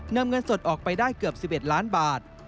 เงินสดออกไปได้เกือบ๑๑ล้านบาท